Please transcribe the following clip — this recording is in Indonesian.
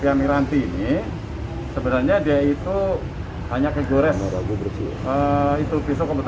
ibu ingat air usok